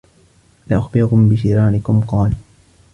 أَلَا أُخْبِرُكُمْ بِشِرَارِكُمْ ؟ قَالُوا